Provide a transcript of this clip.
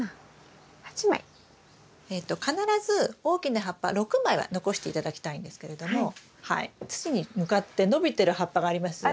必ず大きな葉っぱ６枚は残して頂きたいんですけれども土に向かって伸びてる葉っぱがありますよね。ありますね。